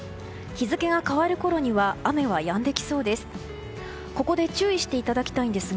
日付が変わるころには雨はやんできそうです。